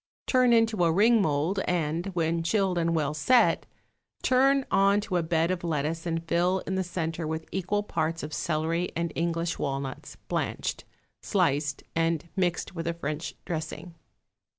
Turn into a ring mould, and, when chilled and well set, turn on to a bed of lettuce and fill in the centre with equal parts of celery and English walnuts, blanched, sliced and mixed with a French dressing.